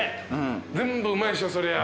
全部うまいでしょそりゃ。